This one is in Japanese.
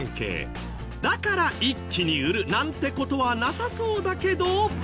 だから一気に売るなんて事はなさそうだけど。